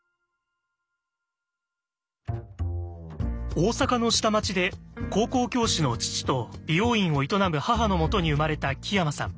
大阪の下町で高校教師の父と美容院を営む母のもとに生まれた木山さん。